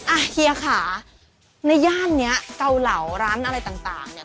อ่ะเฮียค่ะในย่านนี้เก่าเหล่าร้านอะไรต่าง